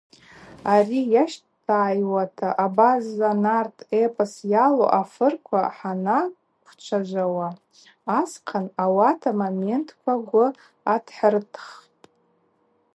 Ари йащтагӏайуата, абаза нарт эпос йалу афырква хӏанрыквчважвауа асхъан, ауат амоментква гвы адхӏрытхпӏ.